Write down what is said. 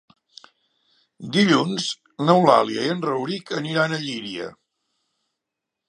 Dilluns n'Eulàlia i en Rauric aniran a Llíria.